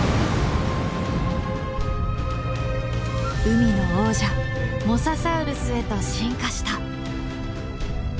海の王者モササウルスへと進化した。